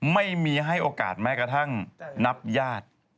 ไม่มีให้โอกาสแม้กระทั่งนับญาติ